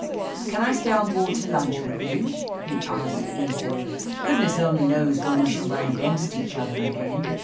"Can I stay on board to lunch with you?" he asked easily. "Goodness only knows when we shall run against each other again.